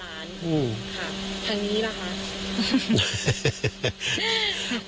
ค่ะทางนี้หรือคะ